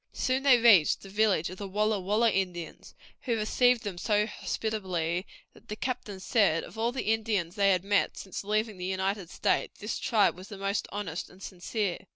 Soon they reached the village of the Walla Walla Indians, who received them so hospitably that the captain said of all the Indians they had met since leaving the United States this tribe was the most honest and sincere.